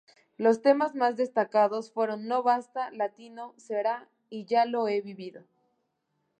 Los temas más destacados fueron "No basta", "Latino", "Será" y "Ya lo he vivido".